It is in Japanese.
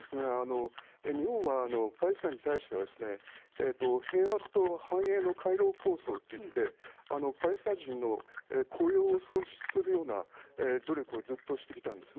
日本はパレスチナに対しては平和と繁栄の回廊構想といってパレスチナ人の雇用を創出するような努力をずっとしてきたんです。